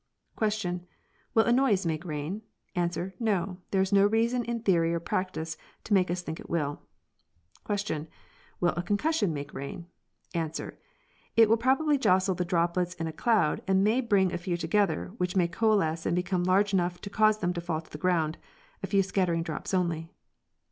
Question. Will a noise make rain? Answer. No; there is no reason in theory or practice to make us think it will. Q. Will a concussion make rain? <A. It will probably jostle the droplets in a cloud and may bring a few together, which may coalesce and become large enough to cause them to fall to the ground—a few scattering drops only.